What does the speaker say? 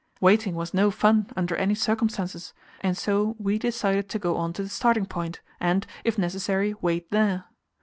Waiting was no fun under any circumstances, and so we decided to go on to the starting point, and, if necessary, wait there.